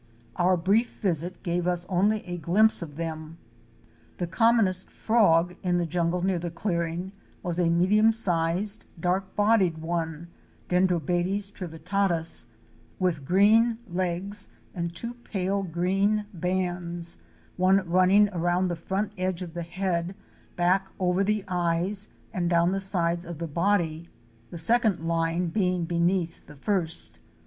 Our brief visit gave us only a glimpse of them. The commonest frog in the jungle near the clearing was a medium sized, dark bodied one (Dendrobates trivittatus) with green legs and two pale green bands, one running around the front edge of the head, back over the eyes and down the sides of the body; the second line being beneath the first.